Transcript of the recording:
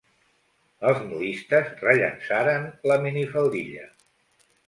Els modistes rellançaran la minifaldilla.